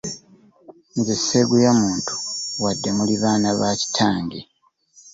Nze sseeguya muntu wadde muli baana ba kitange.